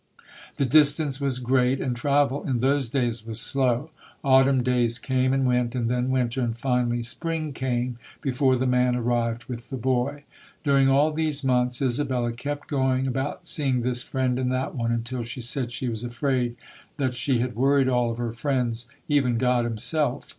The distance was great and trarel in those days was slow. Autumn days came and went and then winter, and finally spring came before the man arrived with the boy. Onring all these months SOJOITEXEB TKUTH [ 215 Isabella kept going about seeing this friend and that one, until she said she was afraid that she had worried all of her friends, even God himself.